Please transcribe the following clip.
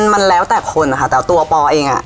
มันแล้วแต่คนแต่ตัวปเอง